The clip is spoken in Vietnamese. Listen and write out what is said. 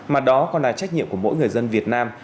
mà đó còn là trách nhiệm của mỗi người dân việt nam